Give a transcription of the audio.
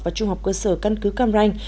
và trung học cơ sở căn cứ cam ranh